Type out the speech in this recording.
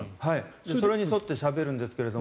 それに沿ってしゃべるんですが。